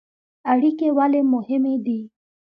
اړیکې ولې مهمې دي؟